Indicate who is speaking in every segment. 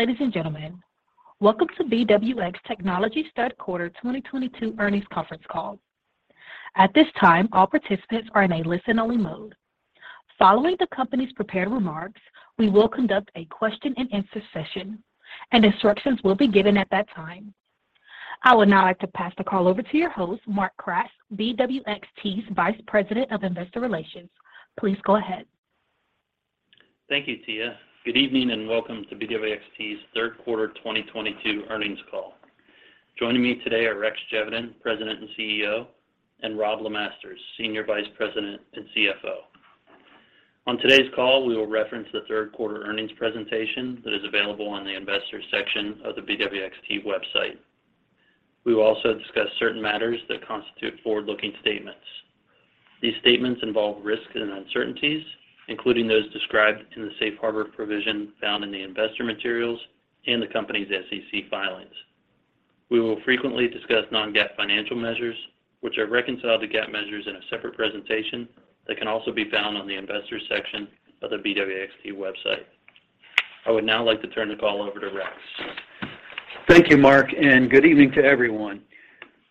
Speaker 1: Ladies and gentlemen, welcome to BWX Technologies third quarter 2022 earnings conference call. At this time, all participants are in a listen-only mode. Following the company's prepared remarks, we will conduct a question-and-answer session, and instructions will be given at that time. I would now like to pass the call over to your host, Mark Kratz, BWXTs' Vice President of Investor Relations. Please go ahead.
Speaker 2: Thank you, Tia. Good evening, and welcome to BWXT's third quarter 2022 earnings call. Joining me today are Rex Geveden, President and CEO, and Robb LeMasters, Senior Vice President and CFO. On today's call, we will reference the third quarter earnings presentation that is available on the Investors section of the BWXT website. We will also discuss certain matters that constitute forward-looking statements. These statements involve risks and uncertainties, including those described in the safe harbor provision found in the investor materials and the company's SEC filings. We will frequently discuss non-GAAP financial measures, which are reconciled to GAAP measures in a separate presentation that can also be found on the Investors section of the BWXT website. I would now like to turn the call over to Rex.
Speaker 3: Thank you, Mark, and good evening to everyone.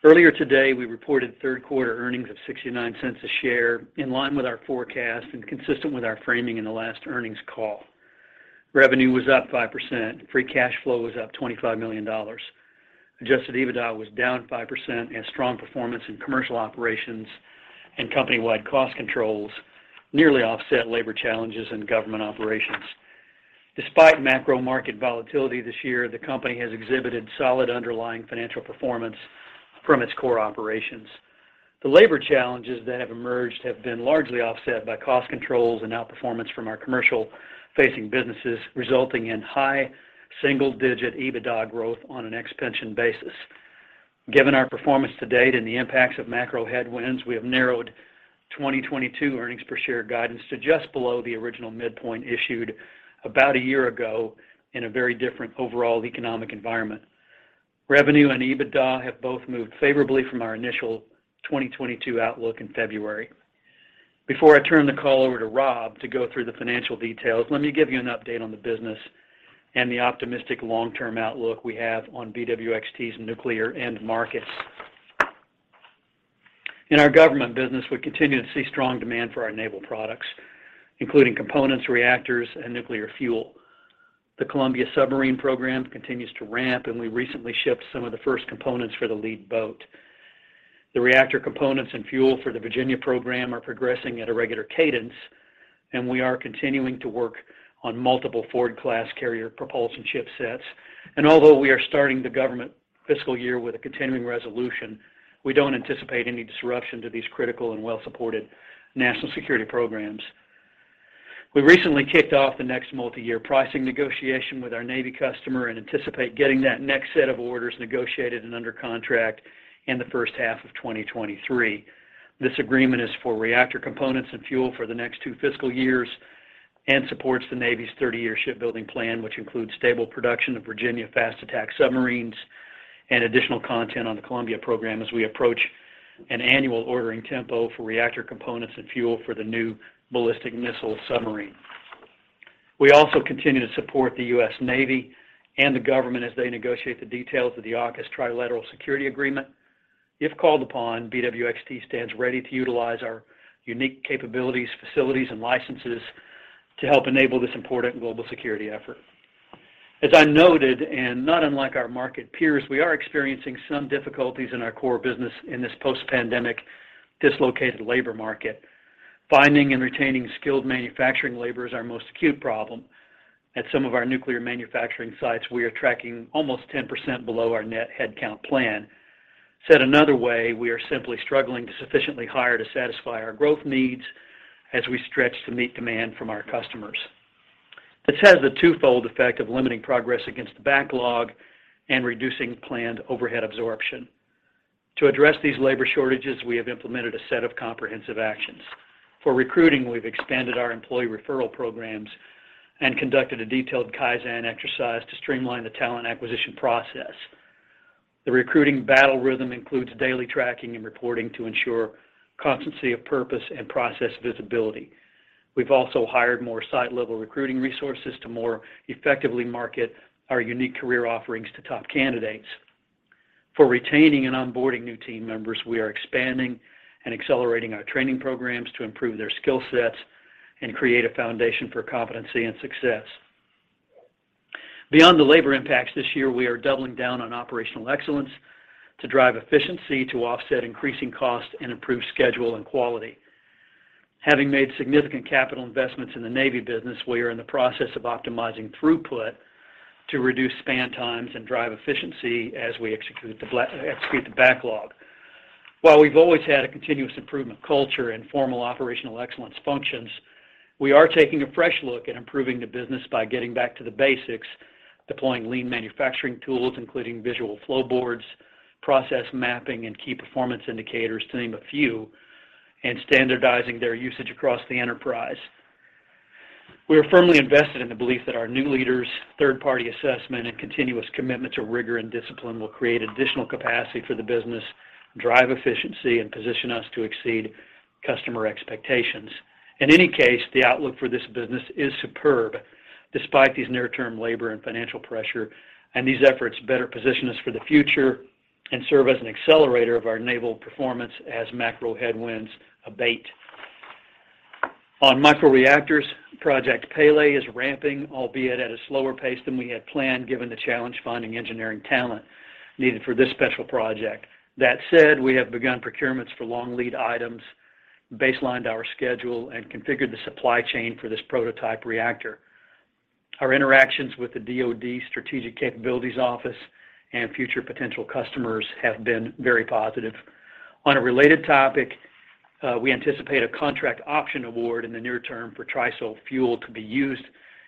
Speaker 3: Earlier today, we reported third quarter earnings of $0.69 a share, in line with our forecast and consistent with our framing in the last earnings call. Revenue was up 5%. Free cash flow was up $25 million. Adjusted EBITDA was down 5%, and strong performance in commercial operations and company-wide cost controls nearly offset labor challenges in government operations. Despite macro market volatility this year, the company has exhibited solid underlying financial performance from its core operations. The labor challenges that have emerged have been largely offset by cost controls and outperformance from our commercial-facing businesses, resulting in high single-digit EBITDA growth on an ex-pension basis. Given our performance to date and the impacts of macro headwinds, we have narrowed 2022 earnings per share guidance to just below the original midpoint issued about a year ago in a very different overall economic environment. Revenue and EBITDA have both moved favorably from our initial 2022 outlook in February. Before I turn the call over to Robb to go through the financial details, let me give you an update on the business and the optimistic long-term outlook we have on BWXT's nuclear end markets. In our government business, we continue to see strong demand for our naval products, including components, reactors, and nuclear fuel. The Columbia submarine program continues to ramp, and we recently shipped some of the first components for the lead boat. The reactor components and fuel for the Virginia-class are progressing at a regular cadence, and we are continuing to work on multiple Ford-class carrier propulsion ship sets. Although we are starting the government fiscal year with a continuing resolution, we don't anticipate any disruption to these critical and well-supported national security programs. We recently kicked off the next multiyear pricing negotiation with our Navy customer and anticipate getting that next set of orders negotiated and under contract in the first half of 2023. This agreement is for reactor components and fuel for the next two fiscal years and supports the Navy's 30-year shipbuilding plan, which includes stable production of Virginia fast attack submarines and additional content on the Columbia-class as we approach an annual ordering tempo for reactor components and fuel for the new ballistic missile submarine. We also continue to support the U.S. Navy and the government as they negotiate the details of the AUKUS trilateral security agreement. If called upon, BWXT stands ready to utilize our unique capabilities, facilities, and licenses to help enable this important global security effort. As I noted, and not unlike our market peers, we are experiencing some difficulties in our core business in this post-pandemic dislocated labor market. Finding and retaining skilled manufacturing labor is our most acute problem. At some of our nuclear manufacturing sites, we are tracking almost 10% below our net headcount plan. Said another way, we are simply struggling to sufficiently hire to satisfy our growth needs as we stretch to meet demand from our customers. This has the twofold effect of limiting progress against the backlog and reducing planned overhead absorption. To address these labor shortages, we have implemented a set of comprehensive actions. For recruiting, we've expanded our employee referral programs and conducted a detailed Kaizen exercise to streamline the talent acquisition process. The recruiting battle rhythm includes daily tracking and reporting to ensure constancy of purpose and process visibility. We've also hired more site-level recruiting resources to more effectively market our unique career offerings to top candidates. For retaining and onboarding new team members, we are expanding and accelerating our training programs to improve their skill sets and create a foundation for competency and success. Beyond the labor impacts this year, we are doubling down on operational excellence to drive efficiency to offset increasing costs and improve schedule and quality. Having made significant capital investments in the Navy business, we are in the process of optimizing throughput to reduce span times and drive efficiency as we execute the backlog. While we've always had a continuous improvement culture and formal operational excellence functions, we are taking a fresh look at improving the business by getting back to the basics, deploying lean manufacturing tools, including visual flow boards, process mapping, and key performance indicators to name a few, and standardizing their usage across the enterprise. We are firmly invested in the belief that our new leaders, third-party assessment, and continuous commitment to rigor and discipline will create additional capacity for the business, drive efficiency, and position us to exceed customer expectations. In any case, the outlook for this business is superb despite these near-term labor and financial pressures, and these efforts better position us for the future and serve as an accelerator of our naval performance as macro headwinds abate. On microreactors, Project Pele is ramping, albeit at a slower pace than we had planned given the challenge finding engineering talent needed for this special project. That said, we have begun procurements for long lead items, baselined our schedule, and configured the supply chain for this prototype reactor. Our interactions with the DoD Strategic Capabilities Office and future potential customers have been very positive. On a related topic, we anticipate a contract option award in the near term for TRISO fuel to be used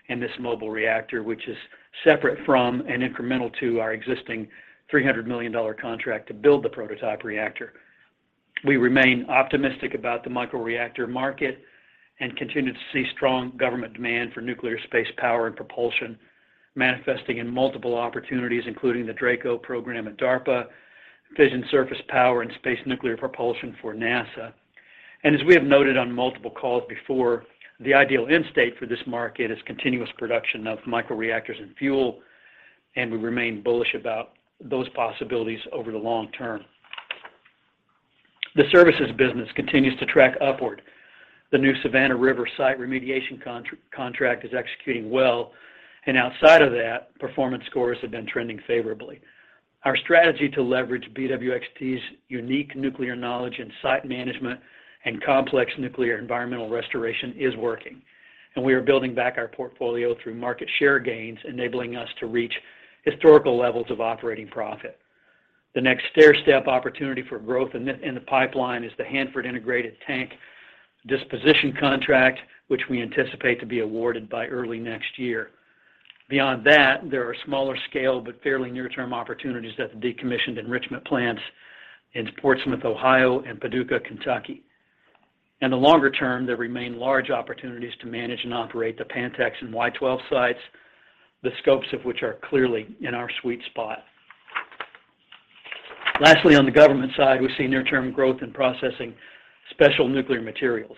Speaker 3: in this mobile reactor, which is separate from and incremental to our existing $300 million contract to build the prototype reactor. We remain optimistic about the microreactor market and continue to see strong government demand for nuclear space power and propulsion manifesting in multiple opportunities, including the DRACO program at DARPA, Fission Surface Power and Space Nuclear Propulsion for NASA. As we have noted on multiple calls before, the ideal end state for this market is continuous production of microreactors and fuel, and we remain bullish about those possibilities over the long term. The services business continues to track upward. The new Savannah River Site remediation contract is executing well, and outside of that, performance scores have been trending favorably. Our strategy to leverage BWXT's unique nuclear knowledge in site management and complex nuclear environmental restoration is working, and we are building back our portfolio through market share gains, enabling us to reach historical levels of operating profit. The next stairstep opportunity for growth in the pipeline is the Hanford Integrated Tank Disposition Contract, which we anticipate to be awarded by early next year. Beyond that, there are smaller scale but fairly near-term opportunities at the decommissioned enrichment plants in Portsmouth, Ohio, and Paducah, Kentucky. In the longer term, there remain large opportunities to manage and operate the Pantex and Y-12 sites, the scopes of which are clearly in our sweet spot. Lastly, on the government side, we see near-term growth in processing special nuclear materials.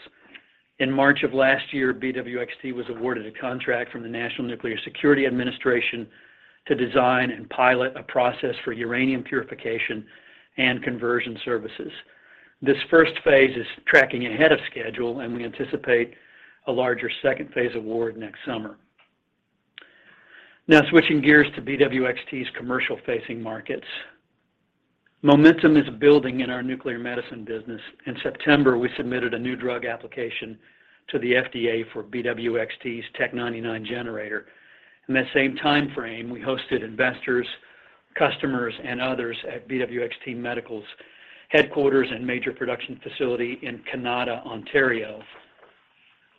Speaker 3: In March of last year, BWXT was awarded a contract from the National Nuclear Security Administration to design and pilot a process for uranium purification and conversion services. This first phase is tracking ahead of schedule, and we anticipate a larger second phase award next summer. Now switching gears to BWXT's commercial-facing markets. Momentum is building in our nuclear medicine business. In September, we submitted a new drug application to the FDA for BWXT's Tc-99m generator. In that same timeframe, we hosted investors, customers, and others at BWXT Medical's headquarters and major production facility in Kanata, Ontario.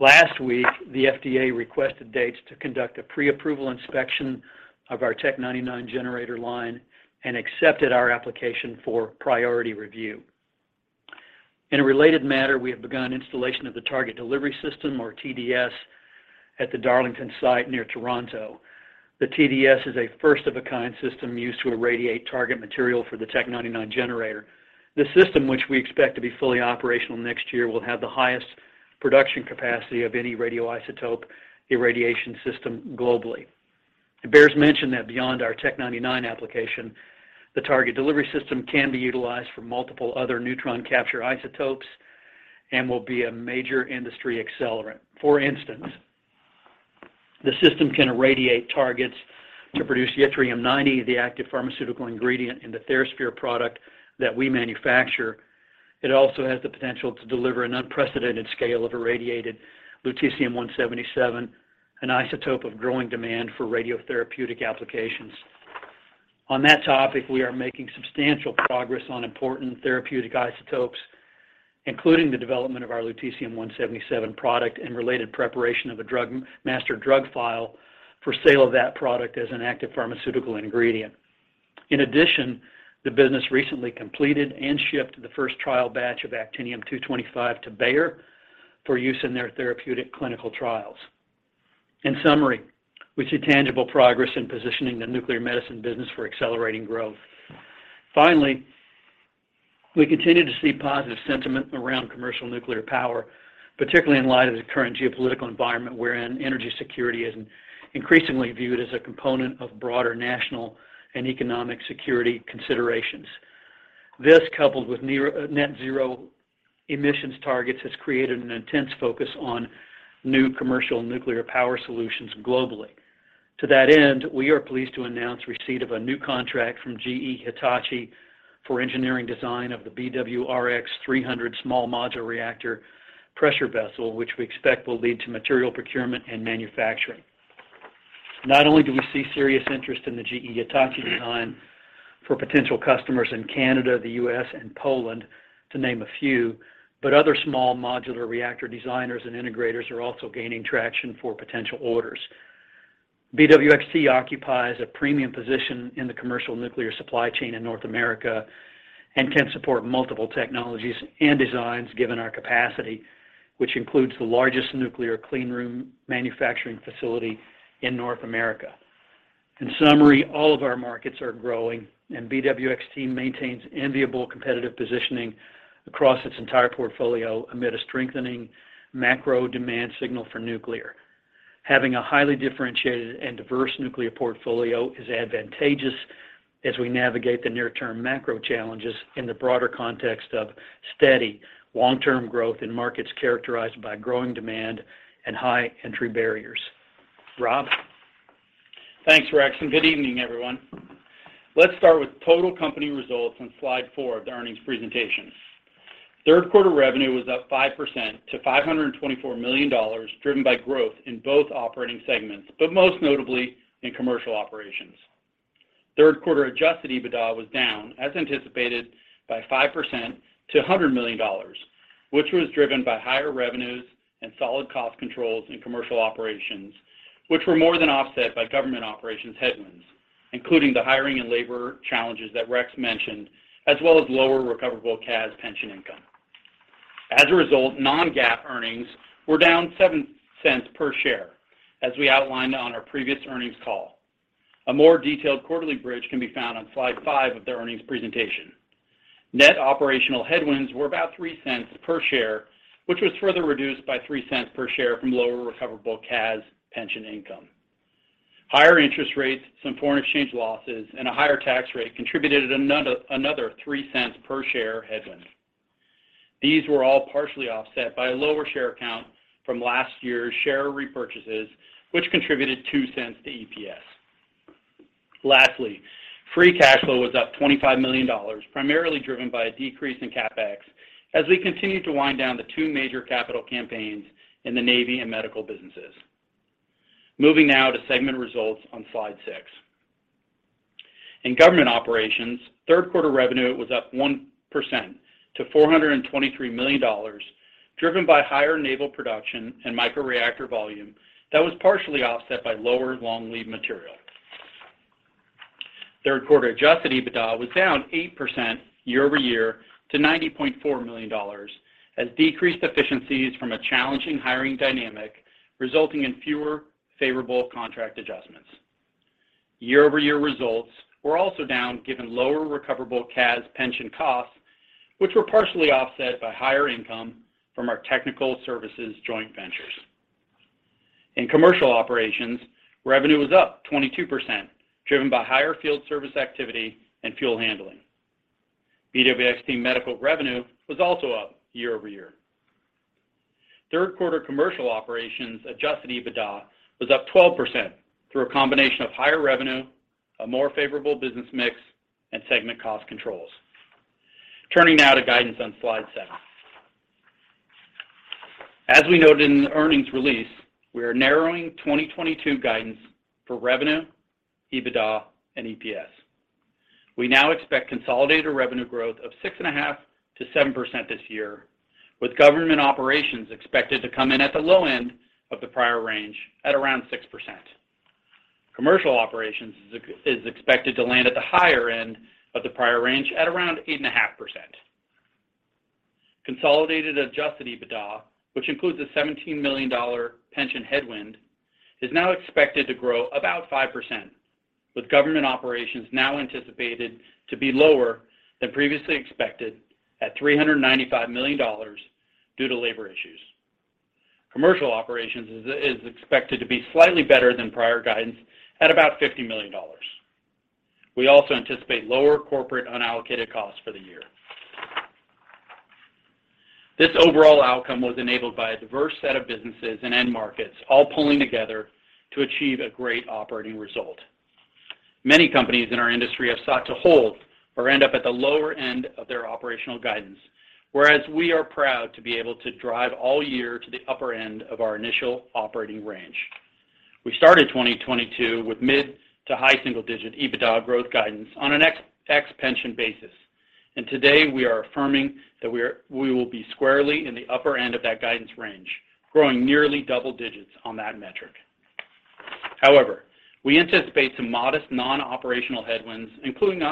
Speaker 3: Last week, the FDA requested dates to conduct a pre-approval inspection of our Tc-99m generator line and accepted our application for priority review. In a related matter, we have begun installation of the Target Delivery System, or TDS, at the Darlington site near Toronto. The TDS is a first-of-its-kind system used to irradiate target material for the Tc-99m generator. This system, which we expect to be fully operational next year, will have the highest production capacity of any radioisotope irradiation system globally. It bears mention that beyond our Tc-99m application, the Target Delivery System can be utilized for multiple other neutron capture isotopes and will be a major industry accelerant. For instance, the system can irradiate targets to produce Yttrium-90, the active pharmaceutical ingredient in the TheraSphere product that we manufacture. It also has the potential to deliver an unprecedented scale of irradiated Lutetium-177, an isotope of growing demand for radiotherapeutic applications. On that topic, we are making substantial progress on important therapeutic isotopes, including the development of our Lutetium-177 product and related preparation of a master drug file for sale of that product as an active pharmaceutical ingredient. In addition, the business recently completed and shipped the first trial batch of Actinium-225 to Bayer for use in their therapeutic clinical trials. In summary, we see tangible progress in positioning the nuclear medicine business for accelerating growth. Finally, we continue to see positive sentiment around commercial nuclear power, particularly in light of the current geopolitical environment wherein energy security is increasingly viewed as a component of broader national and economic security considerations. This, coupled with net zero emissions targets, has created an intense focus on new commercial nuclear power solutions globally. To that end, we are pleased to announce receipt of a new contract from GE Hitachi for engineering design of the BWRX-300 small modular reactor pressure vessel, which we expect will lead to material procurement and manufacturing. Not only do we see serious interest in the GE Hitachi design for potential customers in Canada, the U.S., and Poland, to name a few, but other small modular reactor designers and integrators are also gaining traction for potential orders. BWXT occupies a premium position in the commercial nuclear supply chain in North America and can support multiple technologies and designs given our capacity, which includes the largest nuclear clean room manufacturing facility in North America. In summary, all of our markets are growing, and BWXT maintains enviable competitive positioning across its entire portfolio amid a strengthening macro demand signal for nuclear. Having a highly differentiated and diverse nuclear portfolio is advantageous as we navigate the near-term macro challenges in the broader context of steady long-term growth in markets characterized by growing demand and high entry barriers. Robb?
Speaker 4: Thanks, Rex, and good evening, everyone. Let's start with total company results on slide four of the earnings presentation. Third quarter revenue was up 5% to $524 million, driven by growth in both operating segments, but most notably in commercial operations. Third quarter adjusted EBITDA was down, as anticipated, by 5% to $100 million, which was driven by higher revenues and solid cost controls in commercial operations, which were more than offset by government operations headwinds, including the hiring and labor challenges that Rex mentioned, as well as lower recoverable CAS pension income. As a result, non-GAAP earnings were down $0.07 per share as we outlined on our previous earnings call. A more detailed quarterly bridge can be found on slide five of the earnings presentation. Net operational headwinds were about $0.03 per share, which was further reduced by $0.03 per share from lower recoverable CAS pension income. Higher interest rates, some foreign exchange losses, and a higher tax rate contributed another $0.03 per share headwind. These were all partially offset by a lower share count from last year's share repurchases, which contributed $0.02 to EPS. Lastly, free cash flow was up $25 million, primarily driven by a decrease in CapEx as we continue to wind down the two major capital campaigns in the Navy and medical businesses. Moving now to segment results on slide six. In government operations, third quarter revenue was up 1% to $423 million, driven by higher naval production and microreactor volume that was partially offset by lower long lead material. Third quarter adjusted EBITDA was down 8% year over year to $90.4 million as decreased efficiencies from a challenging hiring dynamic resulting in fewer favorable contract adjustments. Year over year results were also down, given lower recoverable CAS pension costs, which were partially offset by higher income from our technical services joint ventures. In commercial operations, revenue was up 22%, driven by higher field service activity and fuel handling. BWXT Medical revenue was also up year over year. Third quarter commercial operations adjusted EBITDA was up 12% through a combination of higher revenue, a more favorable business mix, and segment cost controls. Turning now to guidance on slide seven. As we noted in the earnings release, we are narrowing 2022 guidance for revenue, EBITDA, and EPS. We now expect consolidated revenue growth of 6.5%-7% this year, with government operations expected to come in at the low end of the prior range at around 6%. Commercial operations is expected to land at the higher end of the prior range at around 8.5%. Consolidated adjusted EBITDA, which includes a $17 million pension headwind, is now expected to grow about 5%, with government operations now anticipated to be lower than previously expected at $395 million due to labor issues. Commercial operations is expected to be slightly better than prior guidance at about $50 million. We also anticipate lower corporate unallocated costs for the year. This overall outcome was enabled by a diverse set of businesses and end markets all pulling together to achieve a great operating result. Many companies in our industry have sought to hold or end up at the lower end of their operational guidance, whereas we are proud to be able to drive all year to the upper end of our initial operating range. We started 2022 with mid to high single-digit EBITDA growth guidance on an ex-pension basis, and today we are affirming that we will be squarely in the upper end of that guidance range, growing nearly double digits on that metric. However, we anticipate some modest non-operational headwinds, including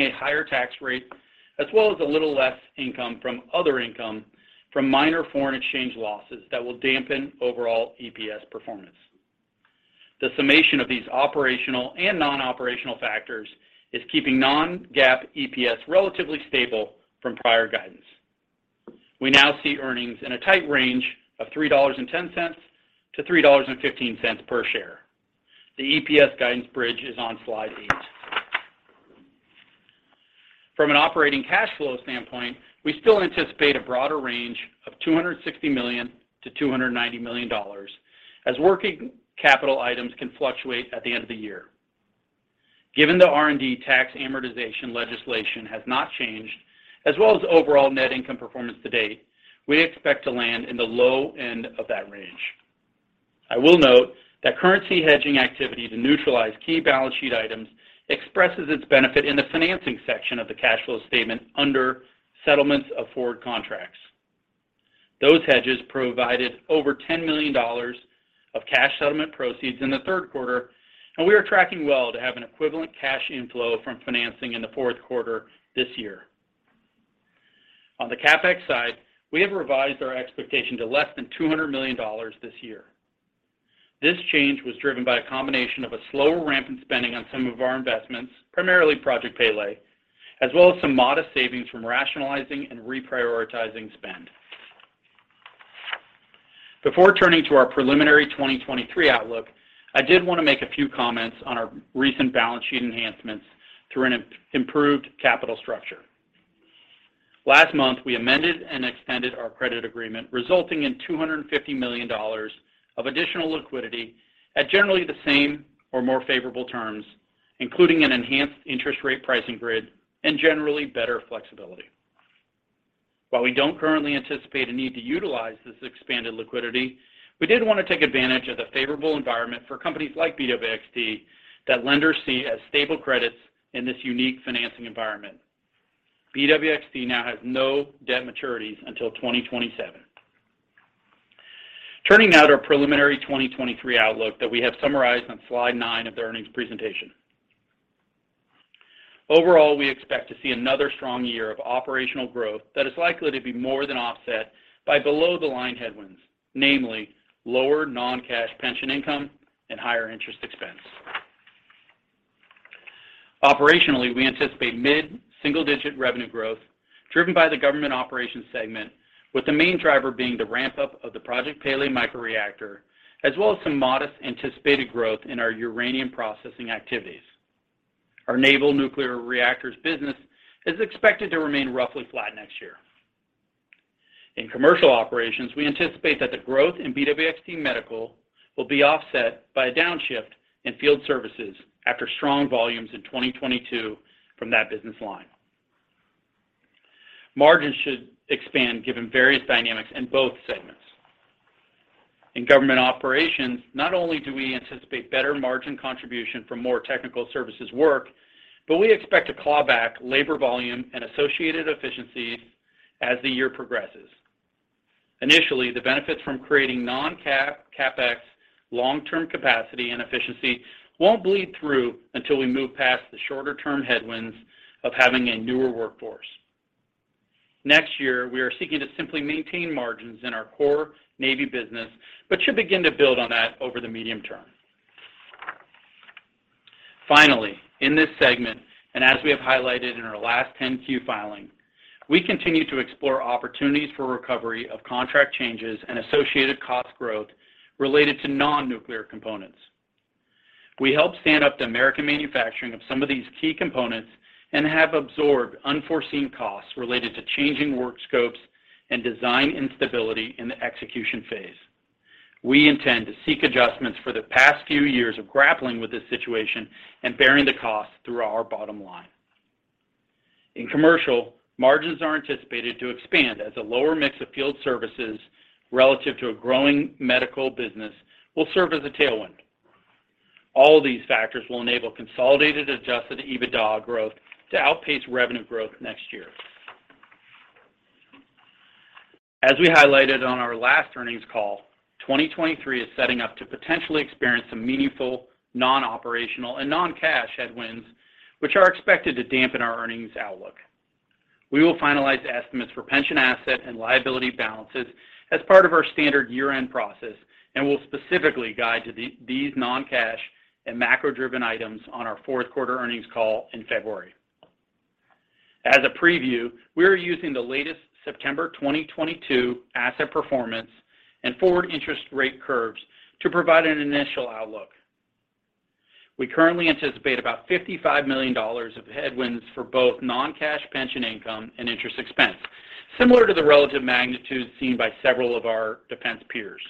Speaker 4: a higher tax rate as well as a little less income from other income from minor foreign exchange losses that will dampen overall EPS performance. The summation of these operational and non-operational factors is keeping non-GAAP EPS relatively stable from prior guidance. We now see earnings in a tight range of $3.10-$3.15 per share. The EPS guidance bridge is on slide eight. From an operating cash flow standpoint, we still anticipate a broader range of $260 million-$290 million as working capital items can fluctuate at the end of the year. Given the R&D tax amortization legislation has not changed, as well as overall net income performance to date, we expect to land in the low end of that range. I will note that currency hedging activity to neutralize key balance sheet items expresses its benefit in the financing section of the cash flow statement under settlements of forward contracts. Those hedges provided over $10 million of cash settlement proceeds in the third quarter, and we are tracking well to have an equivalent cash inflow from financing in the fourth quarter this year. On the CapEx side, we have revised our expectation to less than $200 million this year. This change was driven by a combination of a slower ramp in spending on some of our investments, primarily Project Pele, as well as some modest savings from rationalizing and reprioritizing spend. Before turning to our preliminary 2023 outlook, I did want to make a few comments on our recent balance sheet enhancements through an improved capital structure. Last month, we amended and extended our credit agreement, resulting in $250 million of additional liquidity at generally the same or more favorable terms, including an enhanced interest rate pricing grid and generally better flexibility. While we don't currently anticipate a need to utilize this expanded liquidity, we did want to take advantage of the favorable environment for companies like BWXT that lenders see as stable credits in this unique financing environment. BWXT now has no debt maturities until 2027. Turning now to our preliminary 2023 outlook that we have summarized on slide nine of the earnings presentation. Overall, we expect to see another strong year of operational growth that is likely to be more than offset by below-the-line headwinds, namely lower non-cash pension income and higher interest expense. Operationally, we anticipate mid-single-digit revenue growth driven by the government operations segment, with the main driver being the ramp-up of the Project Pele microreactor, as well as some modest anticipated growth in our uranium processing activities. Our naval nuclear reactors business is expected to remain roughly flat next year. In commercial operations, we anticipate that the growth in BWXT Medical will be offset by a downshift in field services after strong volumes in 2022 from that business line. Margins should expand given various dynamics in both segments. In government operations, not only do we anticipate better margin contribution from more technical services work, but we expect to claw back labor volume and associated efficiencies as the year progresses. Initially, the benefits from creating non-CapEx long-term capacity and efficiency won't bleed through until we move past the shorter-term headwinds of having a newer workforce. Next year, we are seeking to simply maintain margins in our core Navy business, but should begin to build on that over the medium term. Finally, in this segment, and as we have highlighted in our last 10-Q filing, we continue to explore opportunities for recovery of contract changes and associated cost growth related to non-nuclear components. We helped stand up the American manufacturing of some of these key components and have absorbed unforeseen costs related to changing work scopes and design instability in the execution phase. We intend to seek adjustments for the past few years of grappling with this situation and bearing the cost through our bottom line. In commercial, margins are anticipated to expand as a lower mix of field services relative to a growing medical business will serve as a tailwind. All these factors will enable consolidated adjusted EBITDA growth to outpace revenue growth next year. As we highlighted on our last earnings call, 2023 is setting up to potentially experience some meaningful non-operational and non-cash headwinds, which are expected to dampen our earnings outlook. We will finalize estimates for pension asset and liability balances as part of our standard year-end process, and we'll specifically guide to these non-cash and macro-driven items on our fourth quarter earnings call in February. As a preview, we are using the latest September 2022 asset performance and forward interest rate curves to provide an initial outlook. We currently anticipate about $55 million of headwinds for both non-cash pension income and interest expense, similar to the relative magnitudes seen by several of our defense peers.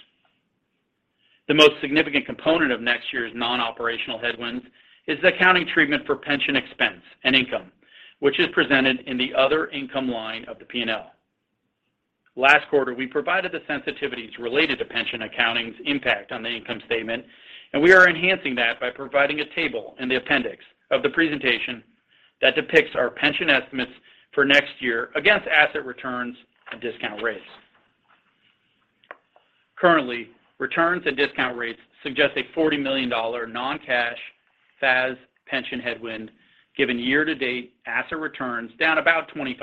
Speaker 4: The most significant component of next year's non-operational headwinds is the accounting treatment for pension expense and income, which is presented in the other income line of the P&L. Last quarter, we provided the sensitivities related to pension accounting's impact on the income statement, and we are enhancing that by providing a table in the appendix of the presentation that depicts our pension estimates for next year against asset returns and discount rates. Currently, returns and discount rates suggest a $40 million non-cash FAS pension headwind given year-to-date asset returns down about 25%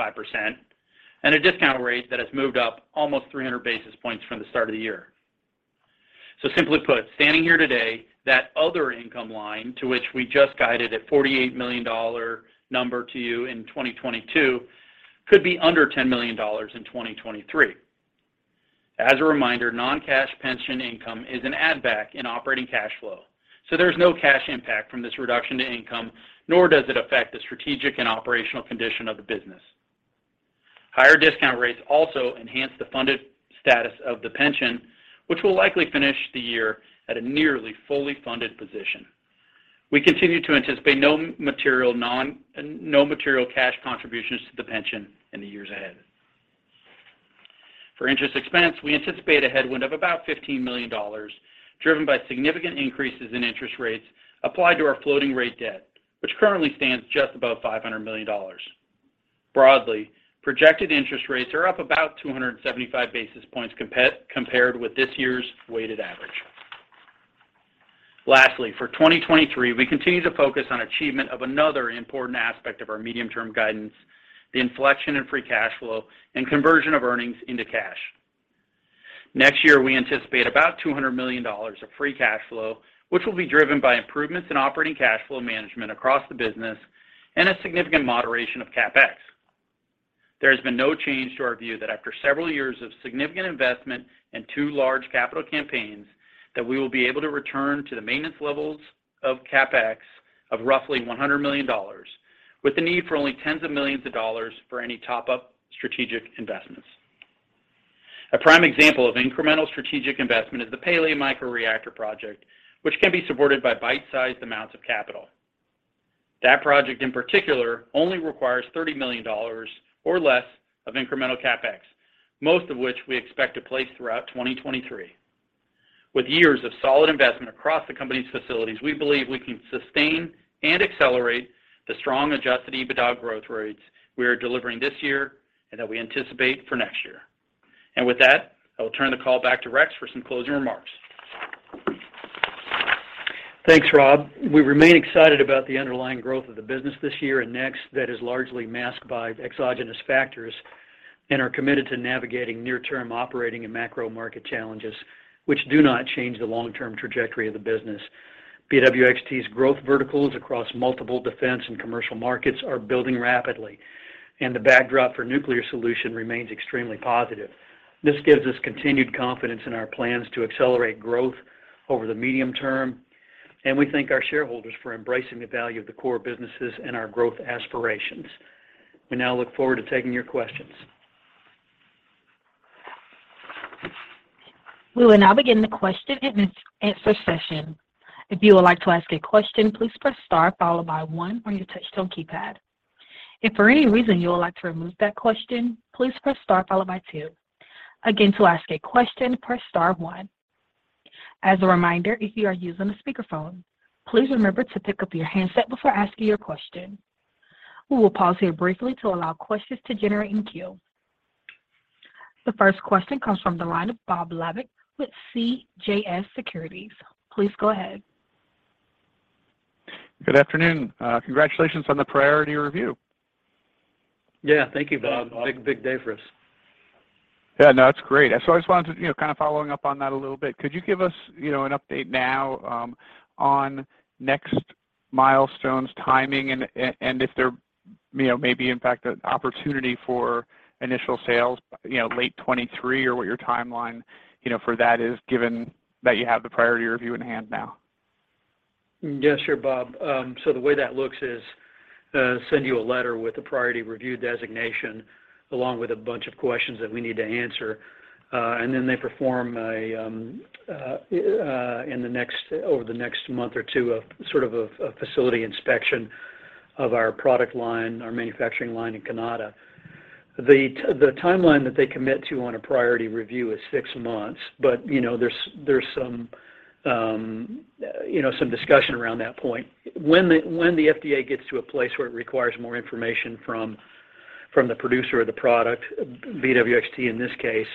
Speaker 4: and a discount rate that has moved up almost 300 basis points from the start of the year. Simply put, standing here today, that other income line to which we just guided a $48 million number to you in 2022 could be under $10 million in 2023. As a reminder, non-cash pension income is an add back in operating cash flow. There's no cash impact from this reduction to income, nor does it affect the strategic and operational condition of the business. Higher discount rates also enhance the funded status of the pension, which will likely finish the year at a nearly fully funded position. We continue to anticipate no material cash contributions to the pension in the years ahead. For interest expense, we anticipate a headwind of about $15 million, driven by significant increases in interest rates applied to our floating rate debt, which currently stands just above $500 million. Broadly, projected interest rates are up about 275 basis points compared with this year's weighted average. Lastly, for 2023, we continue to focus on achievement of another important aspect of our medium-term guidance, the inflection in free cash flow and conversion of earnings into cash. Next year, we anticipate about $200 million of free cash flow, which will be driven by improvements in operating cash flow management across the business and a significant moderation of CapEx. There has been no change to our view that after several years of significant investment and two large capital campaigns, that we will be able to return to the maintenance levels of CapEx of roughly $100 million, with the need for only tens of millions of dollars for any top-up strategic investments. A prime example of incremental strategic investment is the Pele microreactor project, which can be supported by bite-sized amounts of capital. That project in particular only requires $30 million or less of incremental CapEx, most of which we expect to place throughout 2023. With years of solid investment across the company's facilities, we believe we can sustain and accelerate the strong adjusted EBITDA growth rates we are delivering this year and that we anticipate for next year. With that, I will turn the call back to Rex for some closing remarks.
Speaker 3: Thanks, Robb. We remain excited about the underlying growth of the business this year and next that is largely masked by exogenous factors and are committed to navigating near-term operating and macro market challenges, which do not change the long-term trajectory of the business. BWXT's growth verticals across multiple defense and commercial markets are building rapidly, and the backdrop for nuclear solution remains extremely positive. This gives us continued confidence in our plans to accelerate growth over the medium term, and we thank our shareholders for embracing the value of the core businesses and our growth aspirations. We now look forward to taking your questions.
Speaker 1: We will now begin the question and answer session. If you would like to ask a question, please press star followed by one on your touchtone keypad. If for any reason you would like to remove that question, please press star followed by two. Again, to ask a question, press star one. As a reminder, if you are using a speakerphone, please remember to pick up your handset before asking your question. We will pause here briefly to allow questions to generate in queue. The first question comes from the line of Bob Labick with CJS Securities. Please go ahead.
Speaker 5: Good afternoon. Congratulations on the priority review.
Speaker 3: Yeah. Thank you, Bob.
Speaker 4: Yeah.
Speaker 3: Big, big day for us.
Speaker 5: Yeah, no, that's great. I just wanted to, you know, kind of following up on that a little bit. Could you give us, you know, an update now, on next milestones, timing, and if there, you know, may be in fact an opportunity for initial sales, you know, late 2023 or what your timeline, you know, for that is, given that you have the priority review in hand now?
Speaker 3: Yeah, sure, Bob. The way that looks is they send you a letter with the priority review designation, along with a bunch of questions that we need to answer, and then they perform over the next month or two sort of a facility inspection of our product line, our manufacturing line in Kanata. The timeline that they commit to on a priority review is six months. You know, there's some discussion around that point. When the FDA gets to a place where it requires more information from the producer of the product, BWXT in this case,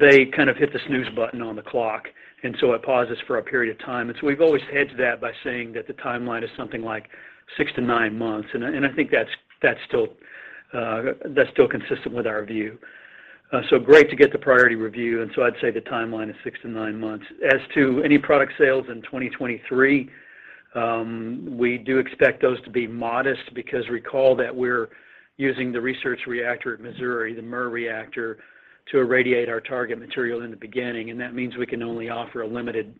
Speaker 3: they kind of hit the snooze button on the clock, and so it pauses for a period of time. We've always hedged that by saying that the timeline is something like six to nine months, and I think that's still consistent with our view. Great to get the priority review, and I'd say the timeline is six to nine months. As to any product sales in 2023, we do expect those to be modest because recall that we're using the research reactor at Missouri, the MURR reactor, to irradiate our target material in the beginning, and that means we can only offer a limited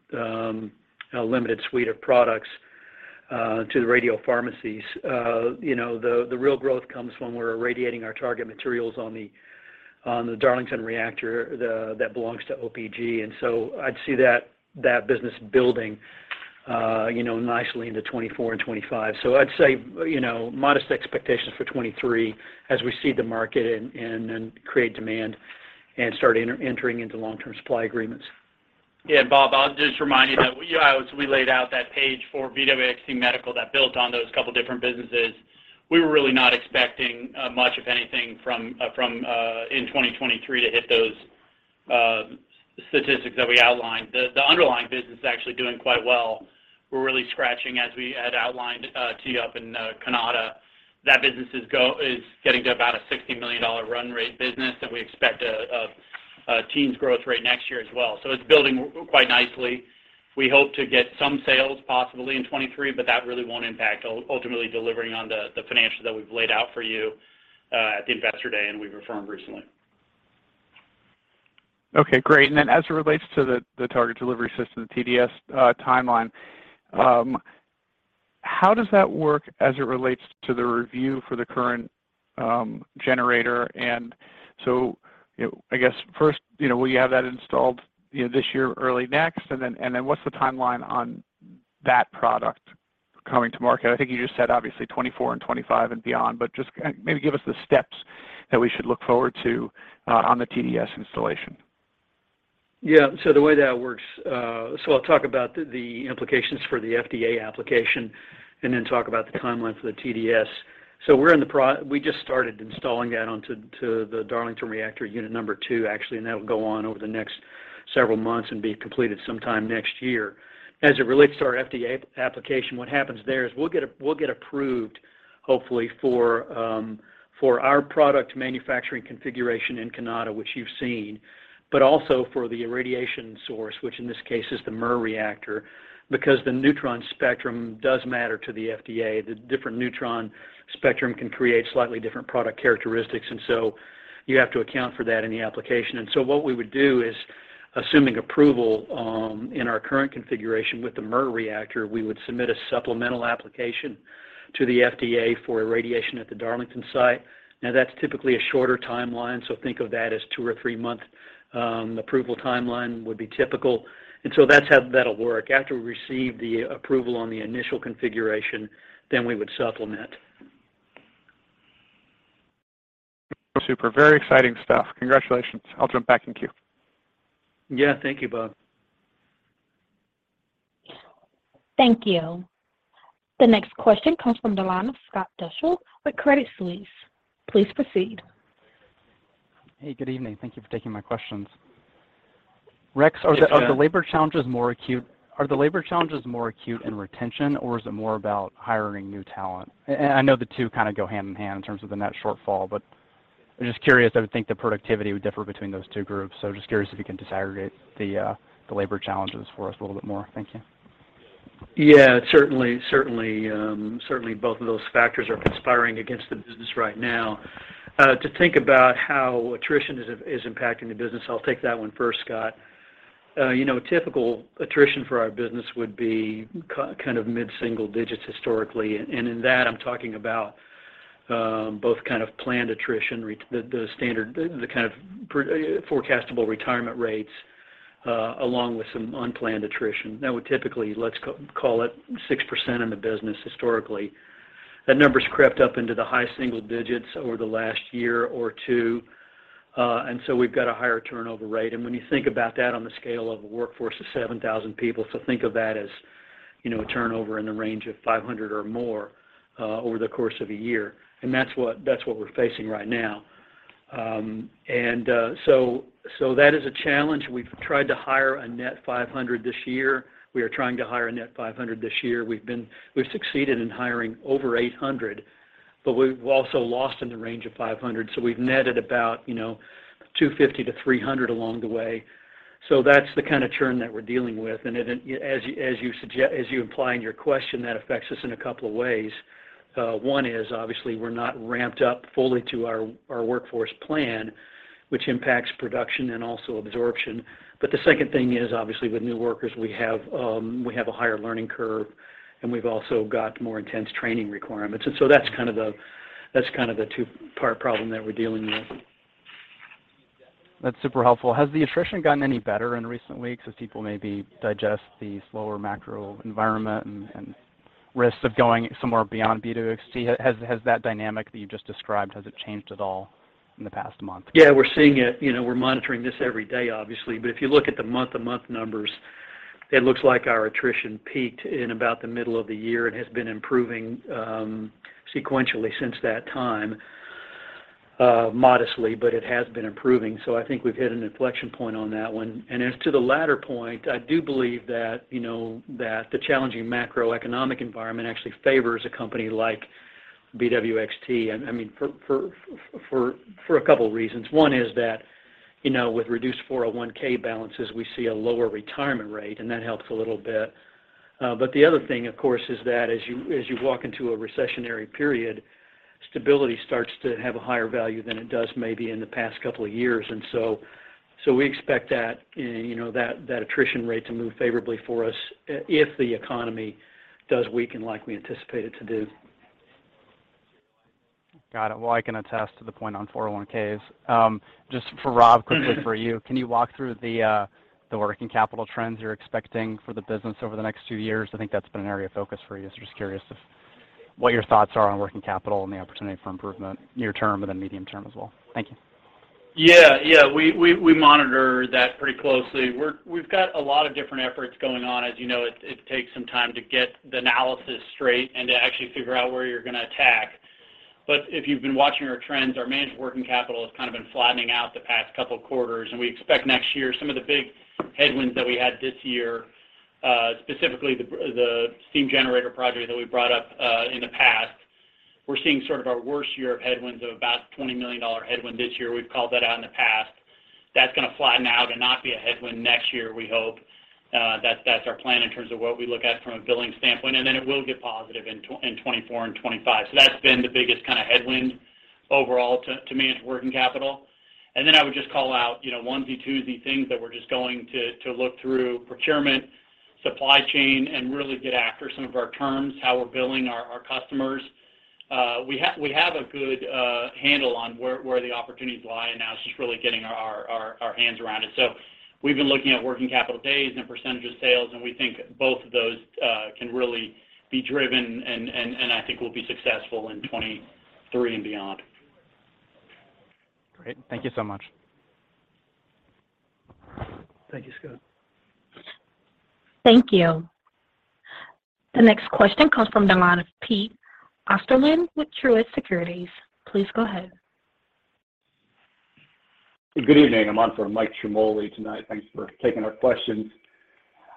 Speaker 3: suite of products to the radiopharmacies. The real growth comes when we're irradiating our target materials on the Darlington reactor, that belongs to OPG. I'd see that business building nicely into 2024 and 2025. I'd say, you know, modest expectations for 2023 as we seed the market and create demand and start entering into long-term supply agreements.
Speaker 4: Bob, I'll just remind you that, you know, as we laid out that page for BWXT Medical that built on those couple different businesses, we were really not expecting much of anything from in 2023 to hit those statistics that we outlined. The underlying business is actually doing quite well. We're really scratching as we had outlined to you up in Kanata. That business is getting to about a $60 million run rate business that we expect a teens growth rate next year as well. It's building quite nicely. We hope to get some sales possibly in 2023, but that really won't impact ultimately delivering on the financials that we've laid out for you at the Investor Day and we've affirmed recently.
Speaker 5: Okay. Great. Then as it relates to the target delivery system, the TDS, timeline, how does that work as it relates to the review for the current generator? You know, I guess first, you know, will you have that installed, you know, this year or early next? Then what's the timeline on that product coming to market? I think you just said obviously 2024 and 2025 and beyond, but just maybe give us the steps that we should look forward to on the TDS installation.
Speaker 3: Yeah. The way that works. I'll talk about the implications for the FDA application and then talk about the timeline for the TDS. We just started installing that onto the Darlington reactor unit 2, actually, and that'll go on over the next several months and be completed sometime next year. As it relates to our FDA application, what happens there is we'll get approved hopefully for our product manufacturing configuration in Kanata, which you've seen, but also for the irradiation source, which in this case is the MURR reactor, because the neutron spectrum does matter to the FDA. The different neutron spectrum can create slightly different product characteristics, and so you have to account for that in the application. What we would do is, assuming approval, in our current configuration with the MURR reactor, we would submit a supplemental application to the FDA for irradiation at the Darlington site. Now, that's typically a shorter timeline, so think of that as two or three-month approval timeline would be typical. That's how that'll work. After we receive the approval on the initial configuration, then we would supplement.
Speaker 5: Super. Very exciting stuff. Congratulations. I'll jump back in queue.
Speaker 3: Yeah. Thank you, Bob.
Speaker 1: Thank you. The next question comes from the line of Scott Deuschle with Credit Suisse. Please proceed.
Speaker 6: Hey, good evening. Thank you for taking my questions. Rex-
Speaker 3: Yeah
Speaker 6: Are the labor challenges more acute in retention, or is it more about hiring new talent? I know the two kind of go hand in hand in terms of the net shortfall, but I'm just curious. I would think the productivity would differ between those two groups. Just curious if you can disaggregate the labor challenges for us a little bit more. Thank you.
Speaker 3: Yeah, certainly both of those factors are conspiring against the business right now. To think about how attrition is impacting the business, I'll take that one first, Scott. You know, typical attrition for our business would be kind of mid-single digits historically. In that, I'm talking about both kind of planned attrition, the standard, the kind of forecastable retirement rates along with some unplanned attrition. That would typically, let's call it 6% in the business historically. That number's crept up into the high single digits over the last year or two, and so we've got a higher turnover rate. When you think about that on the scale of a workforce of 7,000 people, so think of that as, you know, a turnover in the range of 500 or more over the course of a year. That's what we're facing right now. That is a challenge. We've tried to hire a net 500 this year. We are trying to hire a net 500 this year. We've succeeded in hiring over 800, but we've also lost in the range of 500, so we've netted about, you know, 250-300 along the way. That's the kind of churn that we're dealing with. As you imply in your question, that affects us in a couple of ways. One is, obviously, we're not ramped up fully to our workforce plan, which impacts production and also absorption. The second thing is, obviously, with new workers, we have a higher learning curve, and we've also got more intense training requirements. That's kind of the two-part problem that we're dealing with.
Speaker 6: That's super helpful. Has the attrition gotten any better in recent weeks as people maybe digest the slower macro environment and risks of going somewhere beyond BWXT? Has that dynamic that you've just described, has it changed at all in the past month?
Speaker 3: Yeah, we're seeing it. You know, we're monitoring this every day, obviously. If you look at the month-to-month numbers, it looks like our attrition peaked in about the middle of the year and has been improving sequentially since that time. Modestly, but it has been improving. I think we've hit an inflection point on that one. As to the latter point, I do believe that, you know, that the challenging macroeconomic environment actually favors a company like BWXT, and I mean, for a couple reasons. One is that, you know, with reduced 401(k) balances, we see a lower retirement rate, and that helps a little bit. But the other thing, of course, is that as you walk into a recessionary period, stability starts to have a higher value than it does maybe in the past couple of years. We expect that you know that attrition rate to move favorably for us if the economy does weaken like we anticipate it to do.
Speaker 6: Got it. Well, I can attest to the point on 401(k)s. Just for Robb, quickly for you. Can you walk through the working capital trends you're expecting for the business over the next two years? I think that's been an area of focus for you. Just curious if what your thoughts are on working capital and the opportunity for improvement near term and then medium term as well. Thank you.
Speaker 4: Yeah. We monitor that pretty closely. We've got a lot of different efforts going on. As you know, it takes some time to get the analysis straight and to actually figure out where you're gonna attack. If you've been watching our trends, our managed working capital has kind of been flattening out the past couple quarters, and we expect next year some of the big headwinds that we had this year, specifically the steam generator project that we brought up in the past. We're seeing sort of our worst year of headwinds of about $20 million headwind this year. We've called that out in the past. That's gonna flatten out and not be a headwind next year, we hope. That's our plan in terms of what we look at from a billing standpoint, and then it will get positive in 2024 and 2025. That's been the biggest kind of headwind overall to managing working capital. Then I would just call out, you know, onesie, twosie things that we're just going to look through procurement, supply chain, and really get after some of our terms, how we're billing our customers. We have a good handle on where the opportunities lie, and now it's just really getting our hands around it. We've been looking at working capital days and percentage of sales, and we think both of those can really be driven and I think we'll be successful in 2023 and beyond.
Speaker 6: Great. Thank you so much.
Speaker 3: Thank you, Scott.
Speaker 1: Thank you. The next question comes from the line of Pete Osterland with Truist Securities. Please go ahead.
Speaker 7: Good evening. I'm on for Mike Ciarmoli tonight. Thanks for taking our questions.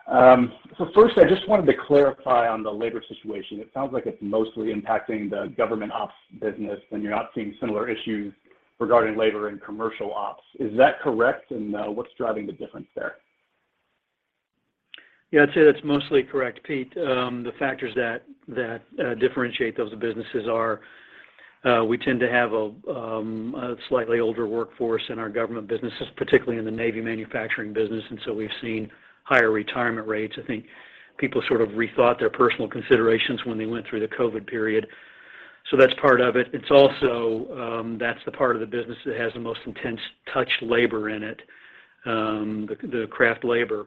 Speaker 7: So first, I just wanted to clarify on the labor situation. It sounds like it's mostly impacting the government ops business, and you're not seeing similar issues regarding labor and commercial ops. Is that correct? What's driving the difference there?
Speaker 3: Yeah, I'd say that's mostly correct, Pete. The factors that differentiate those businesses are. We tend to have a slightly older workforce in our government businesses, particularly in the Navy manufacturing business, and so we've seen higher retirement rates. I think people sort of rethought their personal considerations when they went through the COVID period, so that's part of it. It's also, that's the part of the business that has the most intense touch labor in it, the craft labor.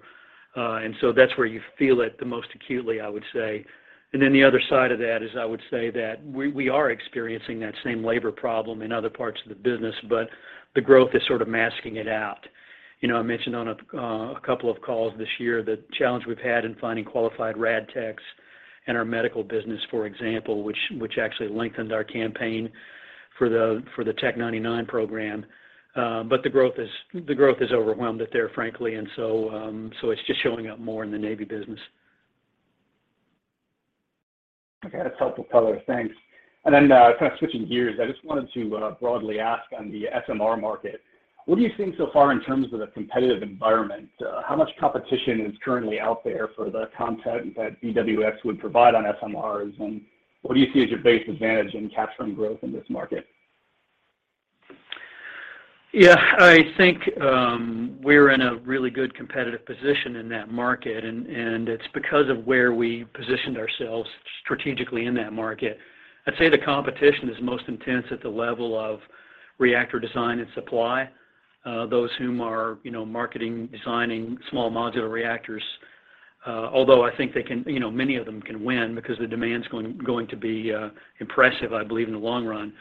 Speaker 3: That's where you feel it the most acutely, I would say. The other side of that is I would say that we are experiencing that same labor problem in other parts of the business, but the growth is sort of masking it out. You know, I mentioned on a couple of calls this year the challenge we've had in finding qualified rad techs in our medical business, for example, which actually lengthened our campaign for the Tc-99m program. The growth has overwhelmed it there, frankly. It's just showing up more in the Navy business.
Speaker 7: Okay. That's helpful color. Thanks. Kind of switching gears, I just wanted to broadly ask on the SMR market, what are you seeing so far in terms of the competitive environment? How much competition is currently out there for the content that BWX would provide on SMRs? What do you see as your base advantage in capturing growth in this market?
Speaker 3: Yeah. I think we're in a really good competitive position in that market, and it's because of where we positioned ourselves strategically in that market. I'd say the competition is most intense at the level of reactor design and supply, those whom are, you know, marketing, designing small modular reactors, although I think you know, many of them can win because the demand's going to be impressive, I believe, in the long run.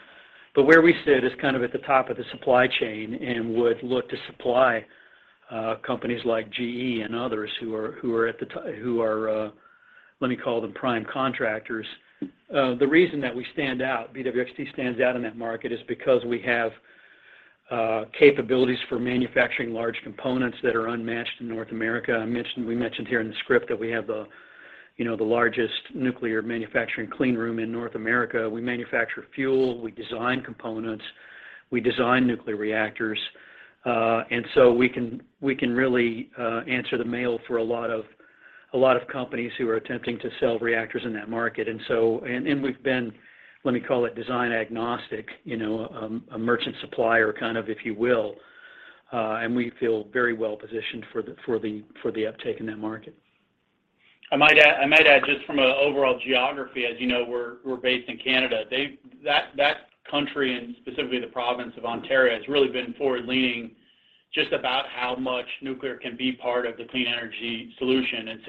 Speaker 3: Where we sit is kind of at the top of the supply chain and would look to supply companies like GE and others who are, let me call them prime contractors. The reason that we stand out, BWXT stands out in that market, is because we have capabilities for manufacturing large components that are unmatched in North America. We mentioned here in the script that we have the, you know, the largest nuclear manufacturing clean room in North America. We manufacture fuel. We design components. We design nuclear reactors. We can really answer the mail for a lot of companies who are attempting to sell reactors in that market. We've been, let me call it design agnostic, you know, a merchant supplier kind of, if you will. We feel very well positioned for the uptake in that market.
Speaker 4: I might add just from an overall geography, as you know, we're based in Canada. That country, and specifically the province of Ontario, has really been forward-leaning just about how much nuclear can be part of the clean energy solution.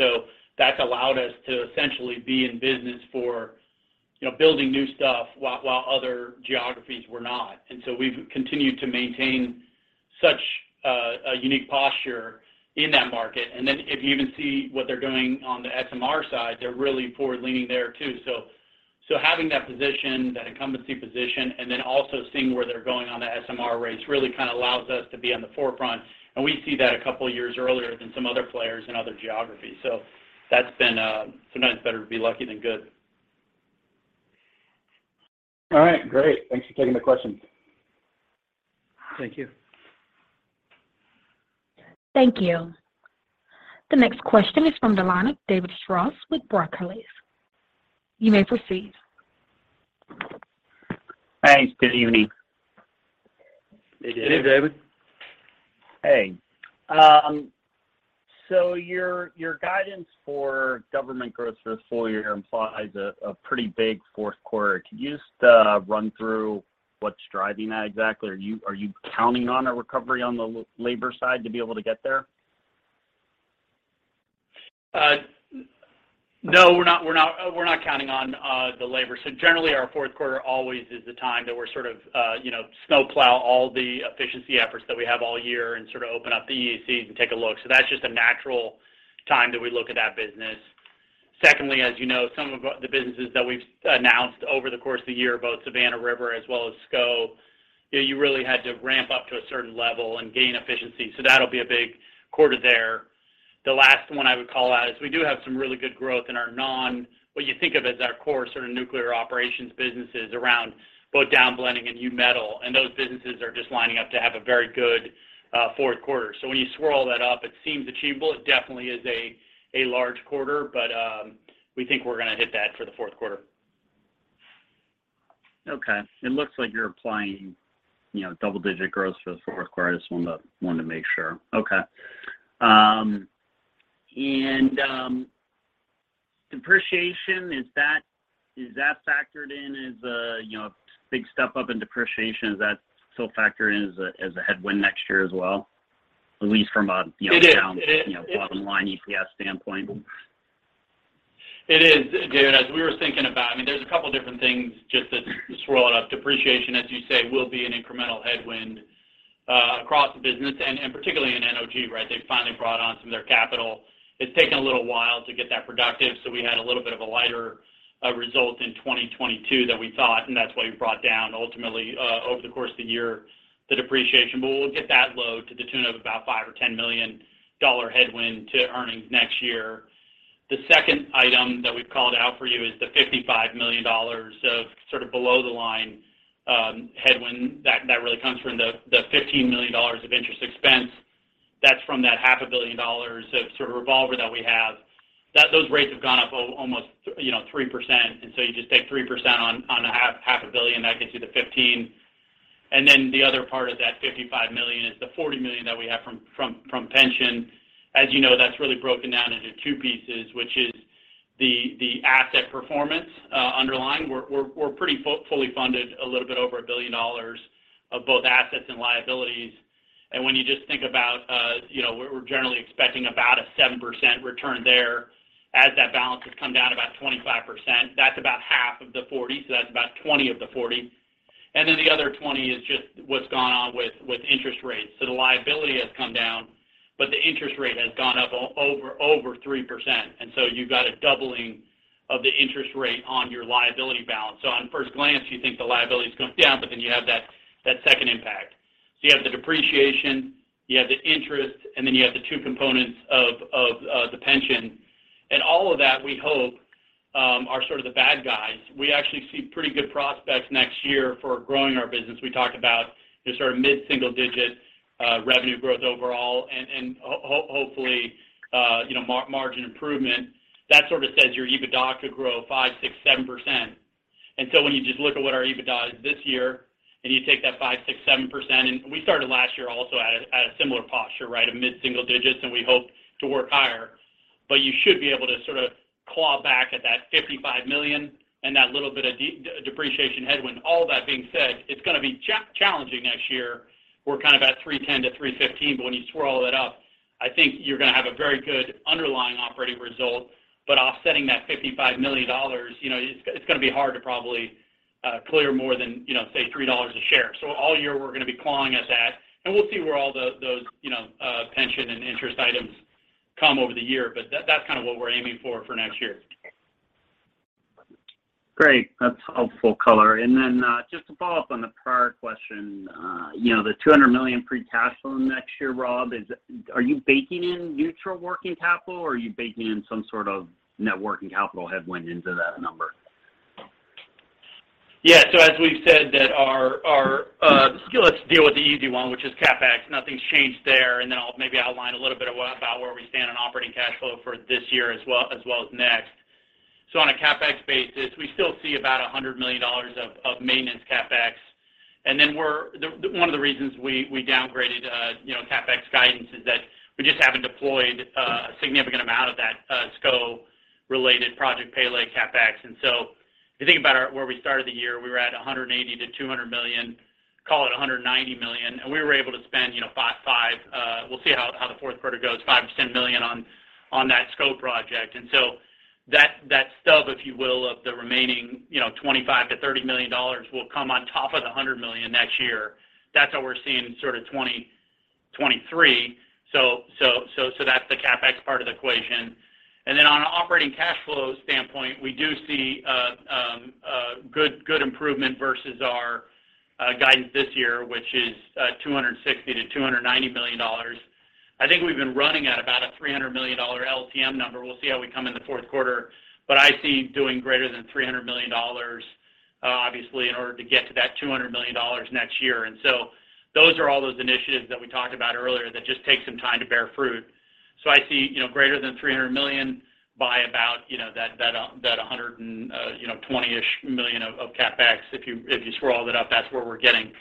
Speaker 4: That's allowed us to essentially be in business for, you know, building new stuff while other geographies were not. We've continued to maintain such a unique posture in that market. If you even see what they're doing on the SMR side, they're really forward-leaning there, too. Having that position, that incumbency position, and then also seeing where they're going on the SMR race really kind of allows us to be on the forefront, and we see that a couple years earlier than some other players in other geographies. That's been. Sometimes it's better to be lucky than good.
Speaker 7: All right. Great. Thanks for taking the questions.
Speaker 3: Thank you.
Speaker 1: Thank you. The next question is from the line of David Strauss with Barclays. You may proceed.
Speaker 8: Thanks. Good evening.
Speaker 3: Hey, David.
Speaker 4: Hey, David.
Speaker 8: Hey. So your guidance for government growth for the full year implies a pretty big fourth quarter. Could you just run through what's driving that exactly? Are you counting on a recovery on the labor side to be able to get there?
Speaker 4: No, we're not counting on the labor. Generally, our fourth quarter always is the time that we're sort of, you know, snowplow all the efficiency efforts that we have all year and sort of open up the EACs and take a look. That's just a natural time that we look at that business. Secondly, as you know, some of the businesses that we've announced over the course of the year, both Savannah River as well as SCO, you know, you really had to ramp up to a certain level and gain efficiency. That'll be a big quarter there. The last one I would call out is we do have some really good growth in our non- what you think of as our core sort of nuclear operations businesses around both downblending and new metal, and those businesses are just lining up to have a very good fourth quarter. When you swirl that up, it seems achievable. It definitely is a large quarter, but we think we're gonna hit that for the fourth quarter.
Speaker 8: Okay. It looks like you're applying, you know, double-digit growth for the fourth quarter. I just wanted to make sure. Okay. Depreciation, is that factored in as a, you know, big step-up in depreciation? Is that still factored in as a headwind next year as well, at least from a, you know.
Speaker 4: It is.
Speaker 8: down, you know, bottom line EPS standpoint?
Speaker 4: It is, David. As we were thinking about, I mean, there's a couple different things just to stir it up. Depreciation, as you say, will be an incremental headwind across the business and particularly in NOG, right? They finally brought on some of their capital. It's taken a little while to get that productive, so we had a little bit of a lighter result in 2022 than we thought, and that's why we brought down ultimately over the course of the year the depreciation. We'll get that load to the tune of about $5 million-$10 million headwind to earnings next year. The second item that we've called out for you is the $55 million of sort of below-the-line headwind that really comes from the $15 million of interest expense. That's from that $500 million of sort of revolver that we have. Those rates have gone up almost, you know, 3%, and so you just take 3% on a $500 million, that gets you to $15 million. Then the other part of that $55 million is the $40 million that we have from pension. As you know, that's really broken down into two pieces, which is the asset performance underlying. We're pretty fully funded a little bit over $1 billion of both assets and liabilities. When you just think about, you know, we're generally expecting about a 7% return there as that balance has come down about 25%. That's about half of the $40 million, so that's about $20 million of the $40 million. The other $20 million is just what's gone on with interest rates. The liability has come down, but the interest rate has gone up over 3%. You've got a doubling of the interest rate on your liability balance. On first glance, you think the liability is going down, but then you have that second impact. You have the depreciation, you have the interest, and then you have the two components of the pension. All of that, we hope, are sort of the bad guys. We actually see pretty good prospects next year for growing our business. We talked about the sort of mid-single-digit revenue growth overall and hopefully, you know, margin improvement. That sort of says your EBITDA could grow 5%, 6%, 7%. When you just look at what our EBITDA is this year and you take that 5%, 6%, 7%, and we started last year also at a similar posture, right, of mid-single digits, and we hope to work higher. You should be able to sort of claw back at that $55 million and that little bit of depreciation headwind. All that being said, it's gonna be challenging next year. We're kind of at $310 million-$315 million, but when you swirl it up, I think you're gonna have a very good underlying operating result. Offsetting that $55 million, you know, it's gonna be hard to probably clear more than, you know, say, $3 a share. All year, we're gonna be clawing at that, and we'll see where all the, those, you know, pension and interest items come over the year. That, that's kind of what we're aiming for next year.
Speaker 8: Great. That's helpful color. Then, just to follow up on the prior question, you know, the $200 million free cash flow next year, Robb, are you baking in neutral working capital, or are you baking in some sort of net working capital headwind into that number?
Speaker 4: Yeah. As we've said that our. Let's deal with the easy one, which is CapEx. Nothing's changed there, and then I'll maybe outline a little bit about where we stand on operating cash flow for this year as well as next. On a CapEx basis, we still see about $100 million of maintenance CapEx. One of the reasons we downgraded CapEx guidance is that we just haven't deployed a significant amount of that SCO-related Project Pele CapEx. If you think about our where we started the year, we were at $180 million-$200 million, call it $190 million, and we were able to spend, you know, five, we'll see how the fourth quarter goes, $5 million-$10 million on that SCO project. That stub, if you will, of the remaining, you know, $25 million-$30 million will come on top of the $100 million next year. That's how we're seeing sort of 2023. So that's the CapEx part of the equation. On an operating cash flow standpoint, we do see a good improvement versus our guidance this year, which is $260 million-$290 million. I think we've been running at about $300 million LTM number. We'll see how we come in the fourth quarter. I see doing greater than $300 million, obviously, in order to get to that $200 million next year. Those are all those initiatives that we talked about earlier that just take some time to bear fruit. I see, you know, greater than $300 million by about, you know, that a hundred and 20-ish million of CapEx. If you swirl it up, that's where we're getting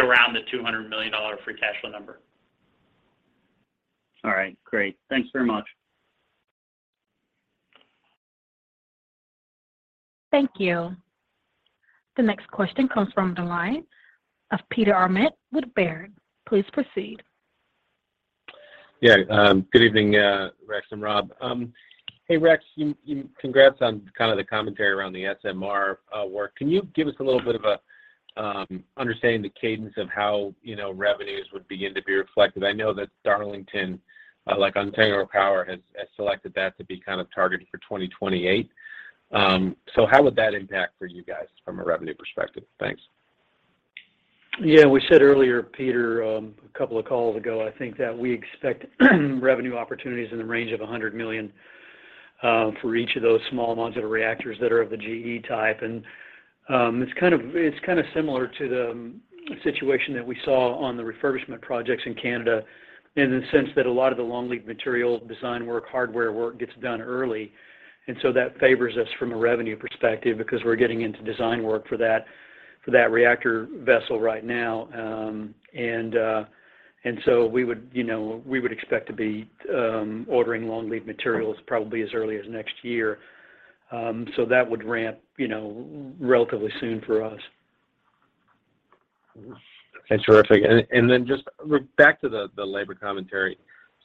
Speaker 4: around the $200 million free cash flow number.
Speaker 8: All right. Great. Thanks very much.
Speaker 1: Thank you. The next question comes from the line of Peter Arment with Baird. Please proceed.
Speaker 9: Yeah. Good evening, Rex and Robb. Hey, Rex, congrats on kind of the commentary around the SMR work. Can you give us a little bit of a understanding the cadence of how, you know, revenues would begin to be reflected? I know that Darlington, like Ontario Power, has selected that to be kind of targeted for 2028. So how would that impact for you guys from a revenue perspective? Thanks.
Speaker 4: Yeah. We said earlier, Peter, a couple of calls ago, I think, that we expect revenue opportunities in the range of $100 million for each of those small modular reactors that are of the GE type. It's kind of similar to the situation that we saw on the refurbishment projects in Canada in the sense that a lot of the long-lead material design work, hardware work gets done early. That favors us from a revenue perspective because we're getting into design work for that reactor vessel right now. We would expect to be ordering long-lead materials probably as early as next year. That would ramp relatively soon for us.
Speaker 9: That's terrific. Then just back to the labor commentary.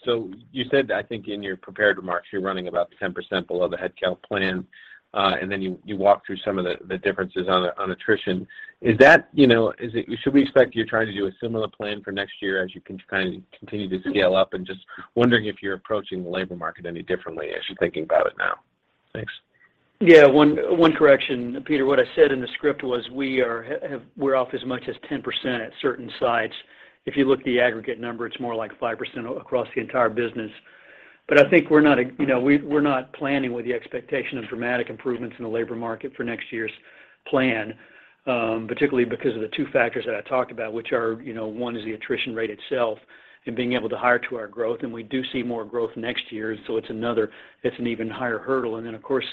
Speaker 9: You said, I think in your prepared remarks, you're running about 10% below the headcount plan, and then you walked through some of the differences on attrition. Is that, you know? Should we expect you're trying to do a similar plan for next year as you kind of continue to scale up and just wondering if you're approaching the labor market any differently as you're thinking about it now? Thanks.
Speaker 3: Yeah. One correction, Peter. What I said in the script was we're off as much as 10% at certain sites. If you look at the aggregate number, it's more like 5% across the entire business. I think we're not, you know, we're not planning with the expectation of dramatic improvements in the labor market for next year's plan, particularly because of the two factors that I talked about, which are, you know, one is the attrition rate itself and being able to hire to our growth, and we do see more growth next year, so it's an even higher hurdle. Then, of course,